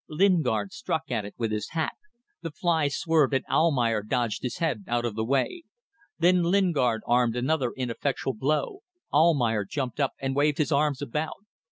Lingard struck at it with his hat. The fly swerved, and Almayer dodged his head out of the way. Then Lingard aimed another ineffectual blow; Almayer jumped up and waved his arms about.